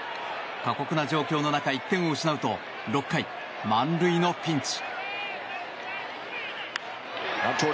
過酷な状況の中、１点を失うと６回、満塁のピンチ。